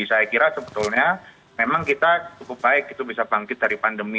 saya kira sebetulnya memang kita cukup baik itu bisa bangkit dari pandemi